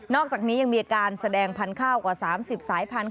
อกจากนี้ยังมีอาการแสดงพันธุ์ข้าวกว่า๓๐สายพันธุ